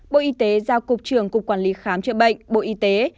bộ y tế giao cục trưởng cục quản lý khám chữa bệnh bộ y tế